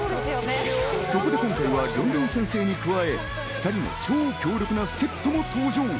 そこで今回はりょんりょん先生に加え、２人の超強力な助っ人も登場！